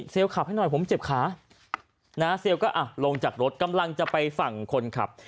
ขับให้หน่อยผมเจ็บขานะเซลล์ก็ลงจากรถกำลังจะไปฝั่งคนขับ